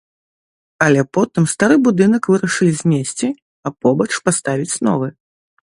Але потым стары будынак вырашылі знесці, а побач паставіць новы.